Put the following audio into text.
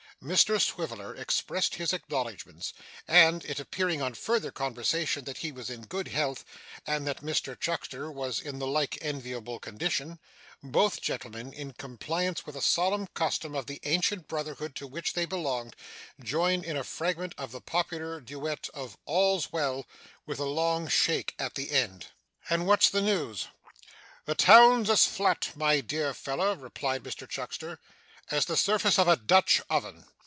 Mr Swiveller expressed his acknowledgments; and it appearing on further conversation that he was in good health, and that Mr Chuckster was in the like enviable condition, both gentlemen, in compliance with a solemn custom of the ancient Brotherhood to which they belonged, joined in a fragment of the popular duet of 'All's Well,' with a long shake at the end. 'And what's the news?' said Richard. 'The town's as flat, my dear feller,' replied Mr Chuckster, 'as the surface of a Dutch oven.